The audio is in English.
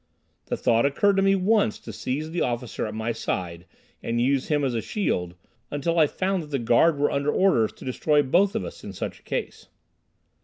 The thought occurred to me once to seize the officer at my side and use him as a shield, until I found that the guard were under orders to destroy both of us in such a case.